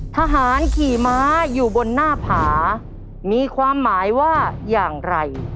ทหารขี่ม้าอยู่บนหน้าผามีความหมายว่าอย่างไร